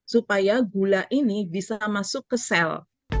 supaya gula ini bisa masuk ke sel